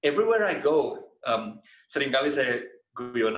di mana mana saja saya pergi seringkali saya gugup maksudnya